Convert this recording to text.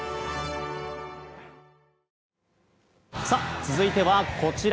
続いてはこちら。